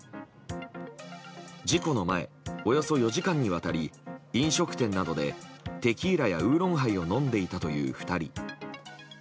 事故の前、およそ４時間にわたり飲食店などでテキーラやウーロンハイを飲んでいたという２人。